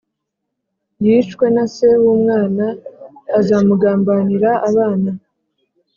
Yicwe na se w umwana azamugambanira abana